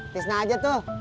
tisna aja tuh